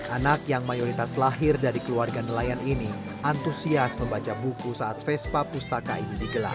anak yang mayoritas lahir dari keluarga nelayan ini antusias membaca buku saat vespa pustaka ini digelar